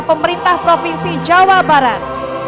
pemerintah provinsi jawa barat